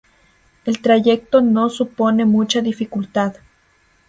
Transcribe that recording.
El trayecto no supone mucha dificultad.